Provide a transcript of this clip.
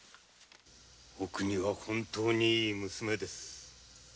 お邦は本当にいい娘です。